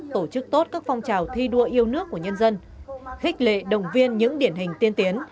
tổ chức tốt các phong trào thi đua yêu nước của nhân dân khích lệ đồng viên những điển hình tiên tiến